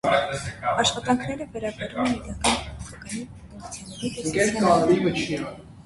Աշխատանքները վերաբերում են իրական փոփոխականի ֆունկցիաների տեսությանը։